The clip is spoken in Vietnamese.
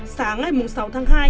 sáng ngày sáu tháng hai